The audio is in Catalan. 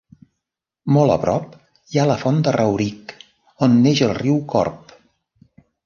Molt a prop hi ha la font de Rauric, on neix el riu Corb.